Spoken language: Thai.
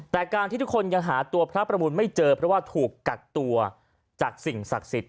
แต่การที่ทุกคนยังหาตัวพระประมูลไม่เจอเพราะว่าถูกกักตัวจากสิ่งศักดิ์สิทธิ